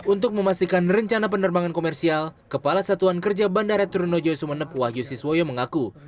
untuk memastikan rencana penerbangan komersial kepala satuan kerja bandara trunojo sumeneb wahyu siswayo mengaku